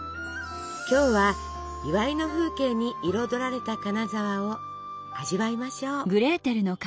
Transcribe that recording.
今日は祝いの風景に彩られた金沢を味わいましょう。